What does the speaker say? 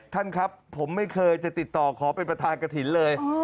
ท่านครับผมไม่เคยจะติดต่อขอเป็นประธานกระถิ่นเลย